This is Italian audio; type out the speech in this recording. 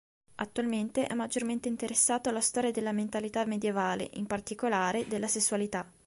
Attualmente è maggiormente interessato alla storia della mentalità medievale, in particolare della sessualità.